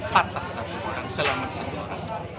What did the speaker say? patah satu orang selama satu orang